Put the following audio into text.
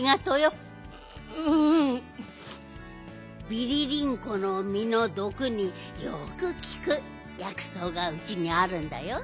ビリリンコのみのどくによくきくやくそうがうちにあるんだよ。